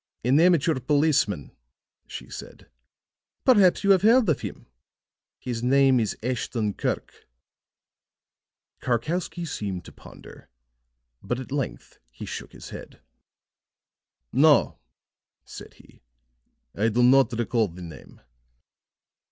"An amateur policeman," she said. "Perhaps you have heard of him. His name is Ashton Kirk." Karkowsky seemed to ponder; but at length he shook his head. "No," said he, "I do not recall the name."